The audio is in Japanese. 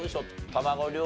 卵料理